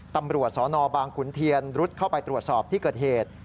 ตำรวจสนบางขุนเทียนรุดเข้าไปตรวจสอบที่เกิดเหตุ